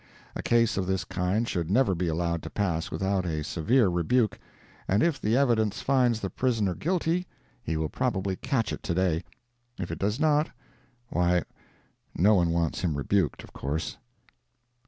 A case of this kind should never be allowed to pass without a severe rebuke, and if the evidence finds the prisoner guilty, he will probably catch it to day; if it does not, why, no one wants him rebuked, of course.